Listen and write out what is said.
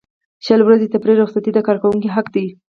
شل ورځې تفریحي رخصتۍ د کارکوونکي حق دی.